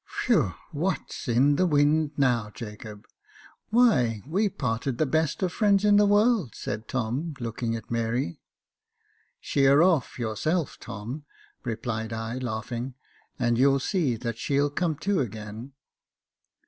" Whew ! what's in the wind now, Jacob } "Why, we parted the best friends in the world," said Tom, looking at Mary. "Sheer off yourself, Tom," replied I, laughing; "and you'll see that she'll come to again."